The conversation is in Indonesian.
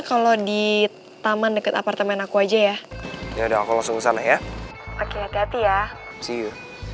kalau di taman dekat apartemen aku aja ya ya udah aku langsung sana ya oke hati hati ya